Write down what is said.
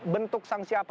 bentuk sanksi apa